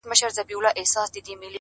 ستا له خیبر سره ټکراو ستا حماقت ګڼمه-